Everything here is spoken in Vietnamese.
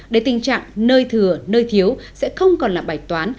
để tình trạng nơi thừa nơi thiếu sẽ không còn là bài toán